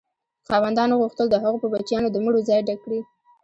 خاوندانو غوښتل د هغو په بچیانو د مړو ځای ډک کړي.